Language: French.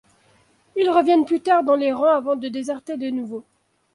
Ils reviennent plus tard dans les rangs avant de déserter de nouveau.